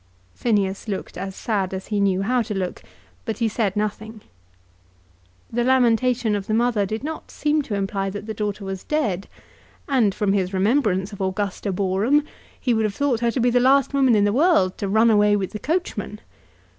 Phineas looked as sad as he knew how to look, but he said nothing. The lamentation of the mother did not seem to imply that the daughter was dead; and, from his remembrance of Augusta Boreham, he would have thought her to be the last woman in the world to run away with the coachman.